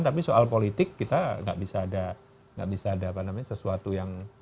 tapi soal politik kita nggak bisa ada sesuatu yang kita harus katakan